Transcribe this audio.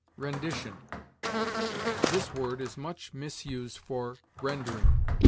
RENDITION. This word is much misused for rendering.